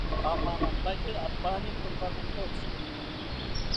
Amanantaki apani tonkamentzi